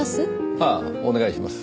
ああお願いします。